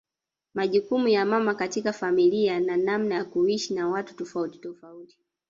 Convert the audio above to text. Majukumu ya mama katika familia na namna ya kuishi na watu tofauti tofauti